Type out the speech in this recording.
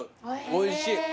おいしい。